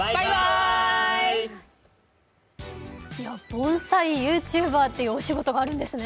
盆栽ＹｏｕＴｕｂｅｒというお仕事があるんですね。